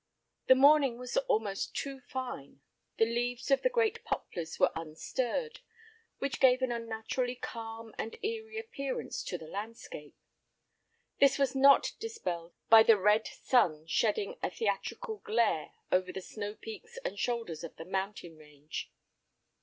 The morning was almost too fine, the leaves of the great poplars were unstirred, which gave an unnaturally calm and eerie appearance to the landscape. This was not dispelled by the red sun shedding a theatrical glare over the snow peaks and shoulders of the mountain range.